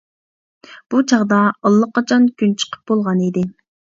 بۇ چاغدا ئاللىقاچان كۈن چىقىپ بولغانىدى.